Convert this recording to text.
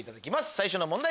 最初の問題